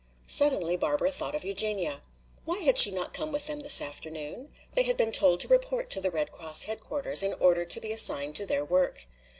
Suddenly Barbara thought of Eugenia. Why had she not come with them this afternoon? They had been told to report to the Red Cross headquarters in order to be assigned to their work.